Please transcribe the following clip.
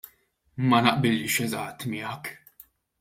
Ma naqbilx eżatt miegħek.